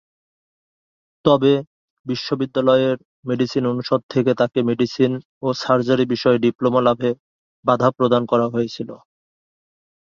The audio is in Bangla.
তবে, বিশ্ববিদ্যালয়ের মেডিসিন অনুষদ থেকে তাকে মেডিসিন ও সার্জারি বিষয়ে ডিপ্লোমা লাভে বাঁধা প্রদান করা হয়েছিল।